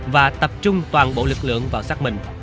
và tập trung toàn bộ lực lượng vào xác minh